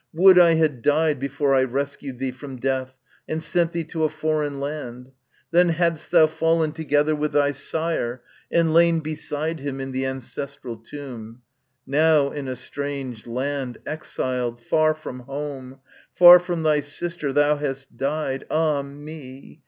Would I had died before I rescued thee From death and sent thee to a foreign land! Then hadst thou fallen together with thy sire And lain beside him in the ancestral tomb : Now in a strange land, exiled, far from home, Far from thy sister thou hast died, ah me!